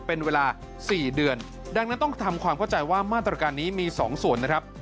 เป็นเวลา๔เดือนดังนั้นต้องทำความเข้าใจว่ามาตรการนี้มี๒ส่วนนะครับ